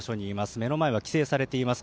目の前は規制されています。